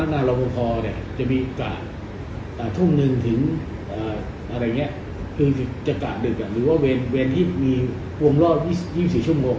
พนักงานรังคมพอจะมีกระทุ่มหนึ่งถึงกระดึกหรือเวรที่มีวงรอบ๒๔ชั่วโมง